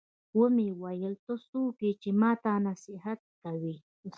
ومې ويل ته څوک يې چې ما ته نصيحت کوې.